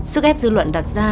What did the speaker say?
sức ép dư luận đặt ra